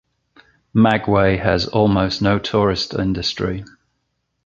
Magway has almost no tourist industry.